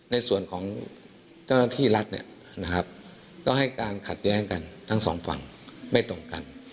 ในส่วนของเจ้าหน้าที่รัฐก็ให้การขัดแย้งกันทั้งสองฝั่งไม่ตรงกัน